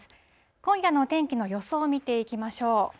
今夜の天気の予想を見ていきましょう。